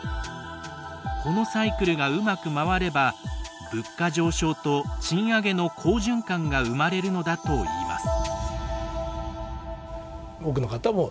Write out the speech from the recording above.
このサイクルがうまく回れば物価上昇と賃上げの好循環が生まれるのだといいます。